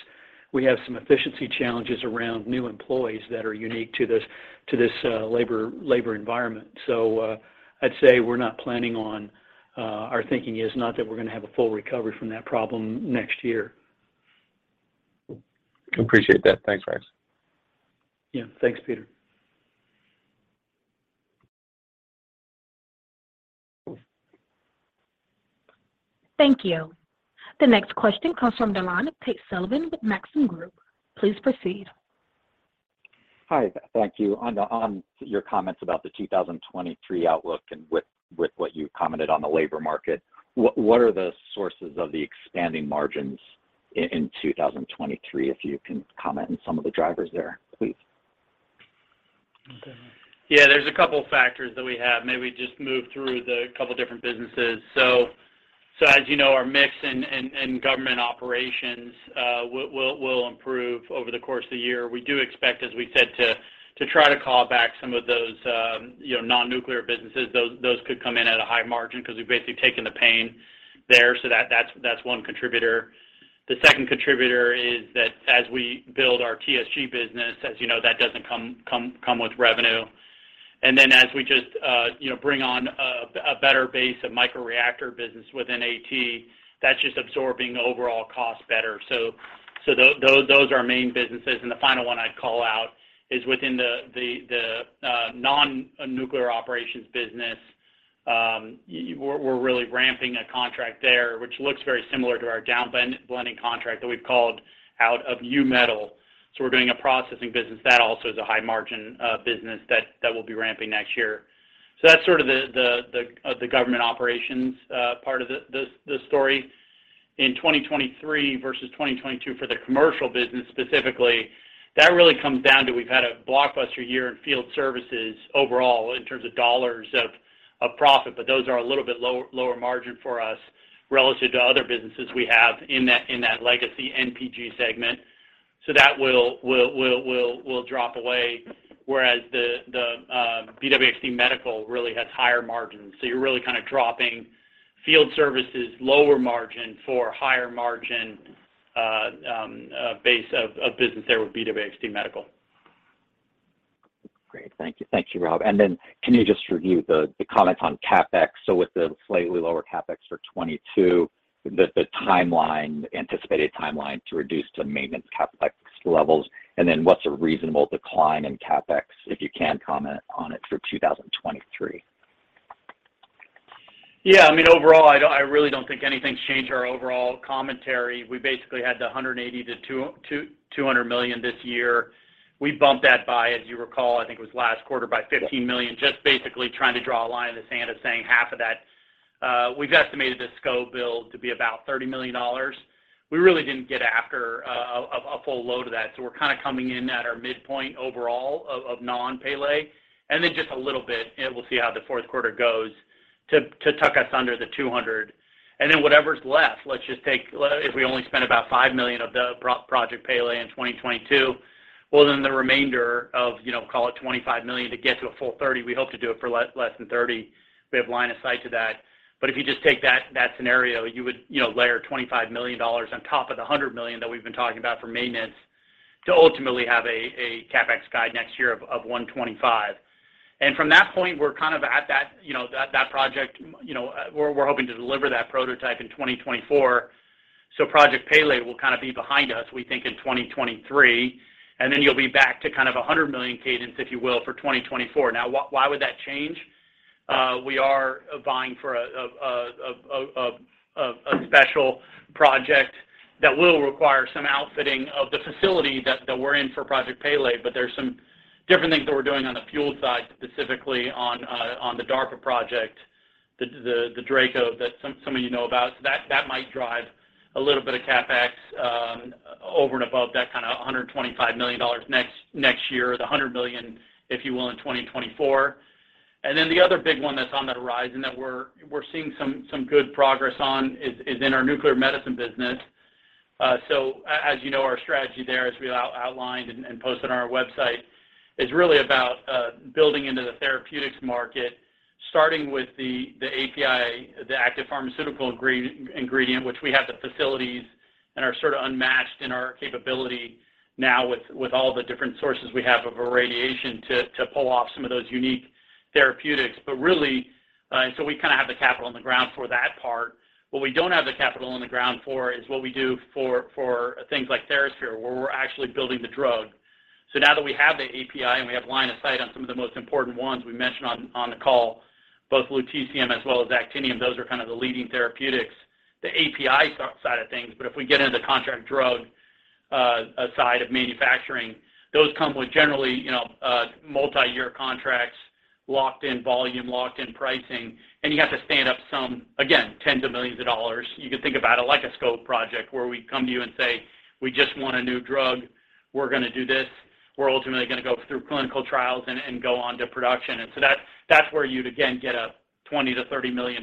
Speaker 3: we have some efficiency challenges around new employees that are unique to this labor environment. So, I'd say we're not planning on. Our thinking is not that we're gonna have a full recovery from that problem next year.
Speaker 9: Cool. Appreciate that. Thanks, Rex.
Speaker 3: Yeah. Thanks, Peter.
Speaker 1: Thank you. The next question comes from the line of Tate Sullivan with Maxim Group. Please proceed.
Speaker 10: Hi. Thank you. On your comments about the 2023 outlook and with what you commented on the labor market, what are the sources of the expanding margins in 2023? If you can comment on some of the drivers there, please.
Speaker 3: Okay.
Speaker 4: Yeah. There's a couple factors that we have. Maybe just move through the couple different businesses. As you know, our mix and government operations will improve over the course of the year. We do expect, as we said, to try to call back some of those, you know, non-nuclear businesses. Those could come in at a high margin because we've basically taken the pain there. That's one contributor. The second contributor is that as we build our TSG business, as you know, that doesn't come with revenue. Then as we just, you know, bring on a better base of microreactor business within AT, that's just absorbing the overall cost better. Those are our main businesses. The final one I'd call out is within the non-nuclear operations business. We're really ramping a contract there, which looks very similar to our downblending contract that we've called out for U-Metal. We're doing a processing business. That also is a high margin business that we'll be ramping next year. That's sort of the government operations part of the story. In 2023 versus 2022 for the commercial business specifically, that really comes down to we've had a blockbuster year in field services overall in terms of dollars of profit, but those are a little bit lower margin for us relative to other businesses we have in that legacy NPG segment. That will drop away, whereas the BWXT Medical really has higher margins. You're really kind of dropping field services, lower margin for higher margin, base of business there with BWXT Medical.
Speaker 10: Great. Thank you. Thank you, Robb. Can you just review the comment on CapEx? With the slightly lower CapEx for 2022, the anticipated timeline to reduce to maintenance CapEx levels, and what's a reasonable decline in CapEx, if you can comment on it for 2023?
Speaker 4: Yeah. I mean, overall, I really don't think anything's changed our overall commentary. We basically had $180 million-$200 million this year. We bumped that by, as you recall, I think it was last quarter, by $15 million, just basically trying to draw a line in the sand of saying half of that. We've estimated the SCO build to be about $30 million. We really didn't get after a full load of that. We're kinda coming in at our midpoint overall of non-Pele, and then just a little bit, and we'll see how the fourth quarter goes, to tuck us under the $200 million. Whatever's left, let's just take. If we only spend about $5 million of the Project Pele in 2022, well, then the remainder of, you know, call it $25 million to get to a full $30 million, we hope to do it for less than $30 million. We have line of sight to that. But if you just take that scenario, you would, you know, layer $25 million on top of the $100 million that we've been talking about for maintenance to ultimately have a CapEx guide next year of $125 million. From that point, we're kind of at that, you know, that project, you know, we're hoping to deliver that prototype in 2024. Project Pele will kind of be behind us, we think, in 2023, and then you'll be back to kind of a $100 million cadence, if you will, for 2024. Now, why would that change? We are vying for a special project that will require some outfitting of the facility that we're in for Project Pele, but there's some different things that we're doing on the fuel side, specifically on the DARPA project, the DRACO that some of you know about. That might drive a little bit of CapEx over and above that kind of $125 million next year, the $100 million, if you will, in 2024. Then the other big one that's on the horizon that we're seeing some good progress on is in our nuclear medicine business. As you know, our strategy there, as we outlined and posted on our website, is really about building into the therapeutics market, starting with the API, the active pharmaceutical ingredient, which we have the facilities and are sort of unmatched in our capability now with all the different sources we have of irradiation to pull off some of those unique therapeutics. But really, we kinda have the capital on the ground for that part. What we don't have the capital on the ground for is what we do for things like TheraSphere, where we're actually building the drug. Now that we have the API and we have line of sight on some of the most important ones we mentioned on the call, both Lutetium as well as Actinium, those are kind of the leading therapeutics, the API side of things. If we get into contract drug side of manufacturing, those come with generally, you know, multi-year contracts, locked in volume, locked in pricing, and you have to stand up some, again, tens of millions of dollars. You can think about it like a SCO project where we come to you and say, "We just want a new drug. We're gonna do this. We're ultimately gonna go through clinical trials and go on to production." That's where you'd again get a $20 million-$30 million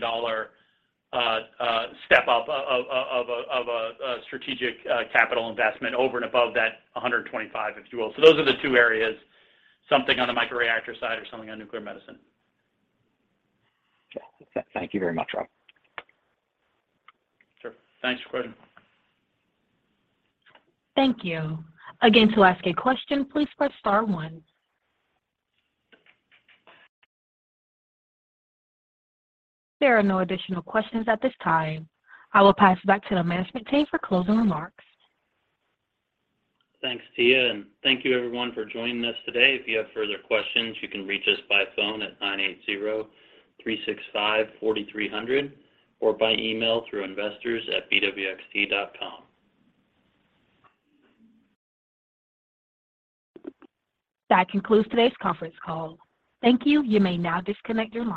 Speaker 4: step up of a strategic capital investment over and above that $125, if you will. Those are the two areas, something on the microreactor side or something on nuclear medicine.
Speaker 10: Okay. Thank you very much, Robb.
Speaker 4: Sure. Thanks for the question.
Speaker 1: Thank you. Again, to ask a question, please press star one. There are no additional questions at this time. I will pass it back to the management team for closing remarks.
Speaker 3: Thanks, Tia, and thank you everyone for joining us today. If you have further questions, you can reach us by phone at 980-365-4300, or by email through investors@bwxt.com.
Speaker 1: That concludes today's conference call. Thank you. You may now disconnect your line.